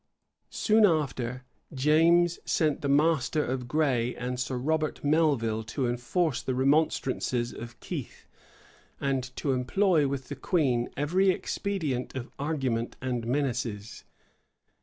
[*] Soon after, James sent the master of Gray and Sir Robert Melvil to enforce the remonstrances of Keith, and to employ with the queen every expedient of argument and menaces.